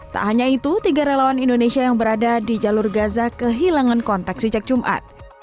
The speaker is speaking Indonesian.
tak hanya itu tiga relawan indonesia yang berada di jalur gaza kehilangan kontak sejak jumat